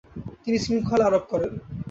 তিনি শৃঙ্খলা আরোপ করেন।